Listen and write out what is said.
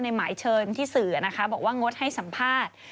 หมายเชิญที่สื่อนะคะบอกว่างดให้สัมภาษณ์